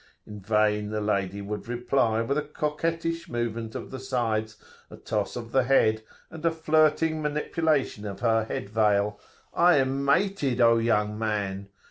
In vain the lady would reply, with a coquettish movement of the sides, a toss of the head, and a flirting manipulation of her head veil, [p.175]"I am mated, O young man!"